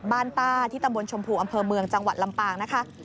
ต้าที่ตำบลชมพูอำเภอเมืองจังหวัดลำปางนะคะ